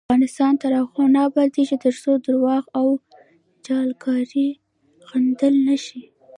افغانستان تر هغو نه ابادیږي، ترڅو درواغ او جعلکاری غندل نشي.